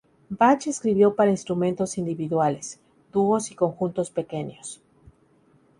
Bach escribió para instrumentos individuales, dúos y conjuntos pequeños.